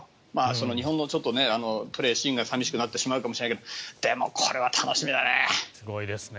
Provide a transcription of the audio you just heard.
日本のプレーシーンが寂しくなってしまうかもしれないけどでも、これは楽しみだね。